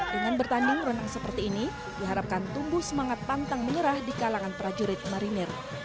dengan bertanding renang seperti ini diharapkan tumbuh semangat pantang menyerah di kalangan prajurit marinir